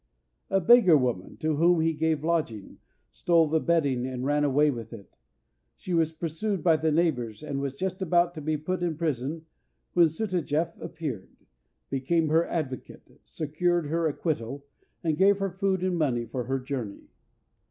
A beggar woman, to whom he gave lodging, stole the bedding and ran away with it. She was pursued by the neighbours, and was just about to be put in prison when Sutajeff appeared, became her advocate, secured her acquittal, and gave her food and money for her journey.